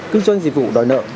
kinh doanh dịch vụ đòi nợ